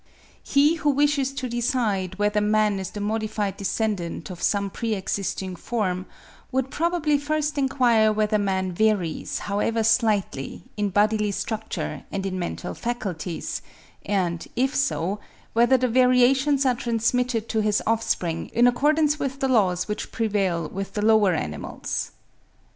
He who wishes to decide whether man is the modified descendant of some pre existing form, would probably first enquire whether man varies, however slightly, in bodily structure and in mental faculties; and if so, whether the variations are transmitted to his offspring in accordance with the laws which prevail with the lower animals.